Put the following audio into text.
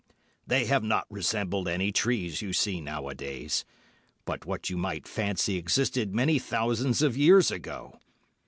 They have not resembled any trees you see now a days, but what you might fancy existed many thousands of years ago.